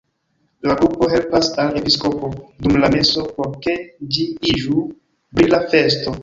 La grupo helpas al episkopo dum la meso, por ke ĝi iĝu brila festo.